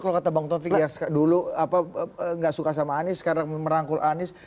kalau kata bang tomfik ya dulu gak suka sama anies sekarang merangkul anies